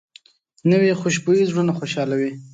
نوې خوشبويي زړونه خوشحالوي